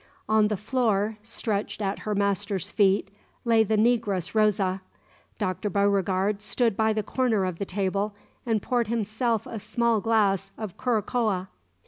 On the floor, stretched at her master's feet, lay the negress Rosa. Dr. Beauregard stood by the corner of the table, and poured himself a small glassful of curacoa.